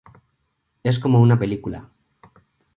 Es como una película.